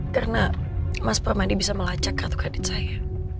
karena mas permadi bisa melacak kartu kredit saya